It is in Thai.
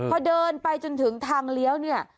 พอเดินไปจนถึงทางเลี้ยวเนี่ย